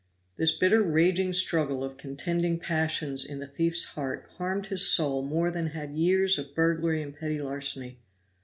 This bitter raging struggle of contending passions in the thief's heart harmed his soul more than had years of burglary and petty larceny.